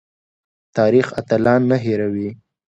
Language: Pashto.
تاریخ اتلان نه هیروي